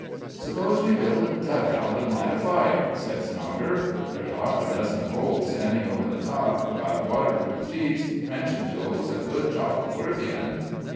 "Suppose we build a dug out and light a fire," said Snogger. "There's 'arf a dozen poles standin' over the top; we've got waterproof sheets, trenchin' tools and good chalk to work in."